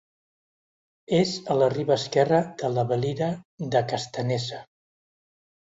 És a la riba esquerra de la Valira de Castanesa.